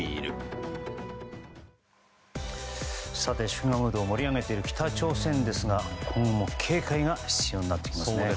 祝賀ムードを盛り上げている北朝鮮ですが今後も警戒が必要になってきますね。